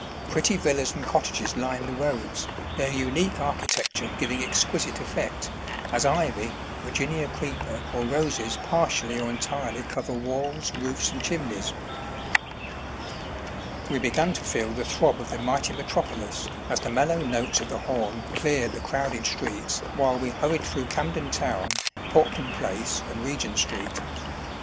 Pretty villas and cottages lined the roads, their unique architecture giving ex quisite effect, as ivy, Virginia creeper or roses par tially or entirely cover walls, roofs, and chimneys. We began to feel the throb of the mighty metropolis as the mellow notes of the horn cleared the crowded streets while we hurried through Camden town, Portland Place, and Regent Street.